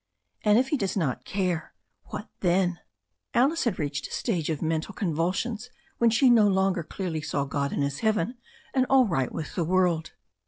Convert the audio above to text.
And if he does not care, what then? Alice had reached a stage of mental convulsions when she no longer clearly saw God in His heaven and all right with the world.